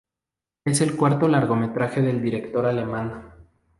Es el cuarto largometraje del director alemán.